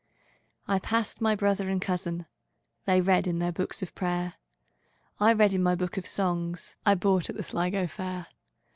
I passed my brother and cousin:They read in their books of prayer;I read in my book of songsI bought at the Sligo fair.